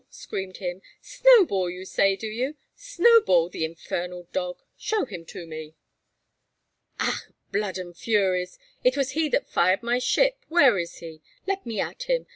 screamed he; "Snowball, you say, do you? Snowball, the infernal dog! Show him to me! Ach! Blood and furies! it was he that fired my ship. Where is he? Let me at him!